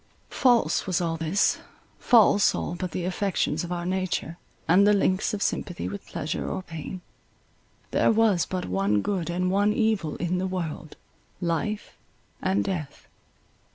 False was all this—false all but the affections of our nature, and the links of sympathy with pleasure or pain. There was but one good and one evil in the world—life and death.